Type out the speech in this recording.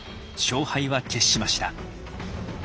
勝敗は決しました。